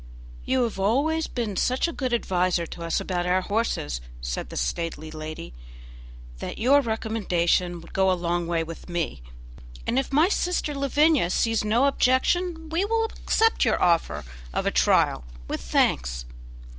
"You have always been such a good adviser to us about our horses," said the stately lady, "that your recommendation would go a long way with me, and if my sister Lavinia sees no objection we will accept your offer of a trial, with thanks."